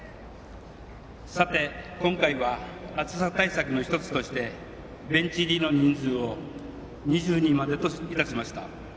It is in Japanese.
さて今回は暑さ対策の１つとしてベンチ入りの人数を２０人までといたしました。